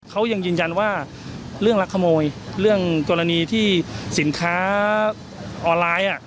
เขายังยืนยันว่าเรื่องรักขโมยเรื่องกรณีที่สินค้าออนไลน์